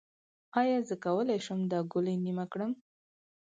ایا زه کولی شم دا ګولۍ نیمه کړم؟